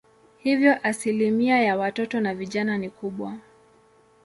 Hivyo asilimia ya watoto na vijana ni kubwa.